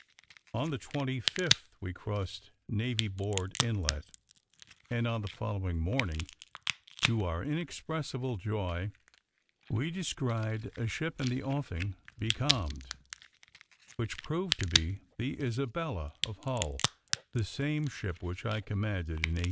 On the 25th we crossed Navy Board Inlet, and on the following morning, to our inexpressible joy, we descried a ship in the offing, becalmed, which proved to be the Isabella of Hull, the same ship which I commanded in 1818.